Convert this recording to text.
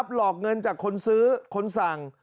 หลอกเงินจากคนซื้อคนสั่ง